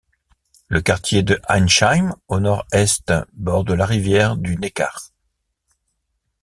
Le quartier de Heinsheim au nord-est borde la rivière du Neckar.